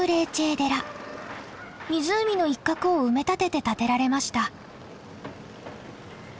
湖の一角を埋め立てて建てられました。